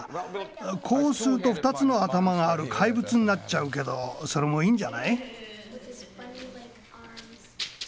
こうすると２つの頭がある怪物になっちゃうけどそれもいいんじゃない。